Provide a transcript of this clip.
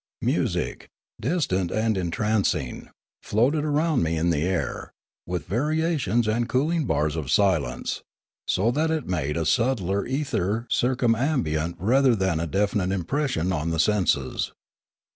Music, distant and entrancing, floated around me in the air, with variations and cooling bars of silence, so that it made a subtle ether circumambient rather than a definite impression on the senses.